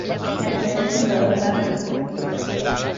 La sede del condado es Blackfoot.